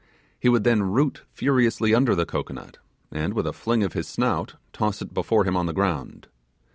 He would then root furiously under the cocoanut, and, with a fling of his snout, toss it before him on the ground.